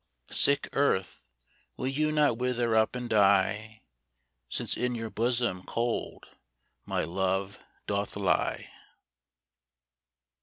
Sick earth, will you not wither up and die, Since in your bosom cold my love doth lie